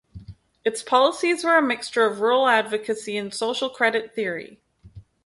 Its policies were a mixture of rural advocacy and social credit theory.